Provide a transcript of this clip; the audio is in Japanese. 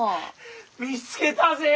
見つけたぜ！